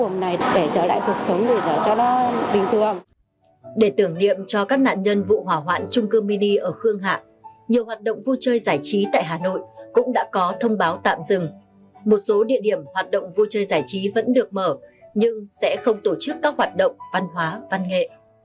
một số địa điểm hoạt động vui chơi giải trí vẫn được mở nhưng sẽ không tổ chức các hoạt động văn hóa văn nghệ